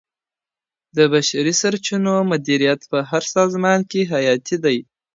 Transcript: د بشري سرچینو مدیریت په هر سازمان کي حیاتي دی.